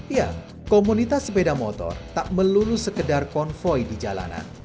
ya komunitas sepeda motor tak melulu sekedar konvoy di jalanan